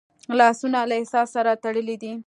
لاسونه له احساس سره تړلي دي